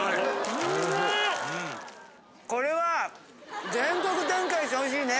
これは全国展開してほしいね。